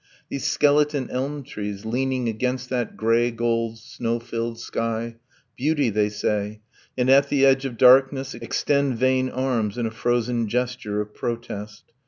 ... These skeleton elm trees Leaning against that grey gold snow filled sky Beauty! they say, and at the edge of darkness Extend vain arms in a frozen gesture of protest